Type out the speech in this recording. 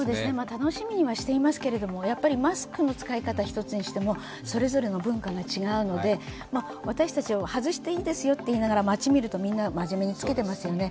楽しみにはしていますけれども、マスクの使い方一つにしてもそれぞれの文化が違うので私たちは外してもいいですよと言いながら、街を見るとみんな真面目に着けてますよね。